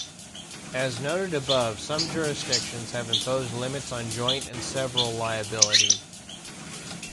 As noted above, some jurisdictions have imposed limits on joint and several liability.